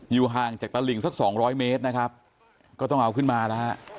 อยู่ห่างจากตลิ่งสัก๒๐๐เมตรนะครับก็ต้องเอาขึ้นมาแล้ว